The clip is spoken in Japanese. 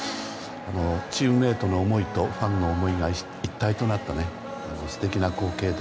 チームメートの思いとファンの思いが一体となった素敵な光景で。